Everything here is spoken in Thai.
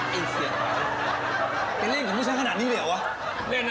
เฮ้ยเสียใจล่ะเป็นเล่นกับหนูฉันขนาดนี้เลยเหรอวะ